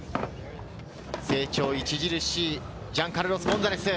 成長著しい、ジャンカルロス・ゴンザレス。